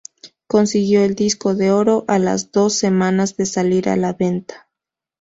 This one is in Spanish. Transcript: Consiguió el disco de oro a las dos semanas de salir a la venta".